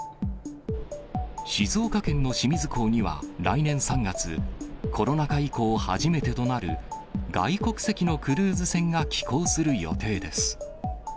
静岡県の清水港には、来年３月、コロナ禍以降初めてとなる外国籍のクルーズ船が寄港する予定です。